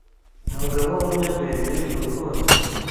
umugabo w'umunyabwenge mu rukundo